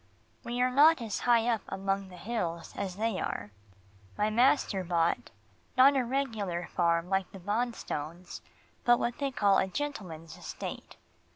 We are not as high up among the hills as they are. My master bought, not a regular farm like the Bonstones, but what they call a gentleman's estate.